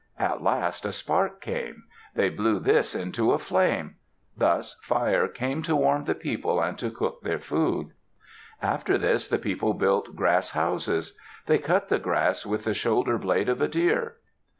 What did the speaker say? At last a spark came. They blew this into a flame. Thus fire came to warm the people and to cook their food. After this the people built grass houses; they cut the grass with the shoulder blade of a deer.